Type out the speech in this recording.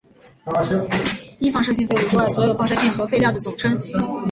低放射性废物之外所有放射性核废料的总称。